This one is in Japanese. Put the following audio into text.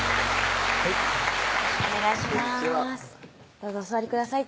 どうぞお座りください